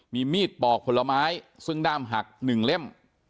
มีมีดปอกผลไม้ซึ่งด้ามหัก๑เล่ม